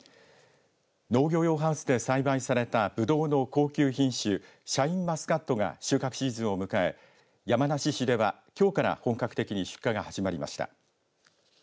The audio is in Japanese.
農業用ハウスで栽培されたぶどうの高級品種シャインマスカットが収穫シーズンを迎え山梨市では、きょうから本格的に出荷が始まりました。